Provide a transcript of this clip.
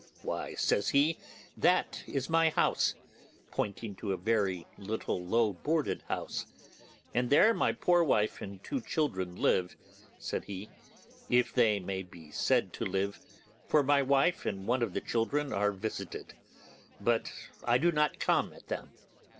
'Why,' says he, 'that's my house' (pointing to a very little, low boarded house), 'and there my poor wife and two children live,' said he, 'if they may be said to live, for my wife and one of the children are visited, but I do not come at them.